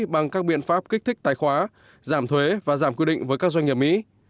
bằng các biện pháp kích thích tài khoá giảm thuế và giảm quy định với các doanh nghiệp mỹ